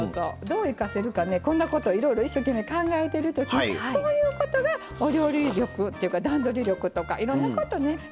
どう生かせるかねこんなこといろいろ一生懸命考えてる時そういうことがお料理力っていうか段取り力とかいろんなことね鍛えていってくれると思うんですね。